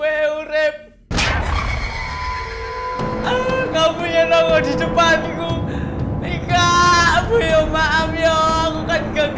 hai hehehe lampu eurep kamu nya nongol di depanku ikat buyo maaf yo aku kan gak